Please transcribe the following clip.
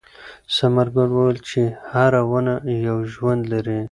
ثمر ګل وویل چې هره ونه یو ژوند لري.